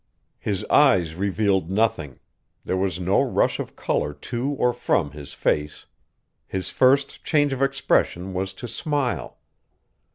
His eyes revealed nothing. There was no rush of color to or from his face. His first change of expression was to smile.